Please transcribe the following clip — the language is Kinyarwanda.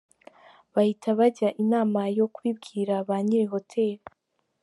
Bahita bajya inama yo kubibwira ba Nyirihotel.